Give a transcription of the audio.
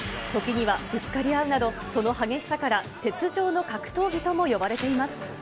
時にはぶつかり合うなど、その激しさから雪上の格闘技とも呼ばれています。